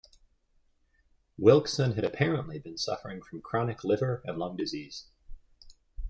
Wilkeson had apparently been suffering from chronic liver and lung disease.